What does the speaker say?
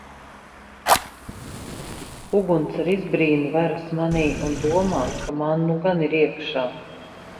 Uguns ar izbrīnu veras manī un domā, ka man nu gan ir iekšā.